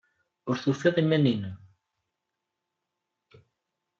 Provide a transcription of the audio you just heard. Ur tufiḍ iman-nnem.